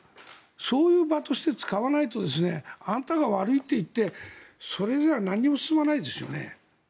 そういう場として使わないとあなたが悪いと言ってそれじゃあ何も進まないですよね。